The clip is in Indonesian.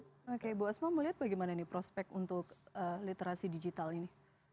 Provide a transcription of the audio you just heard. oke bu osmo mau lihat bagaimana prospek untuk literasi digital ini